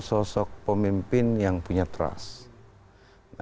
sosok pemimpin yang punya trust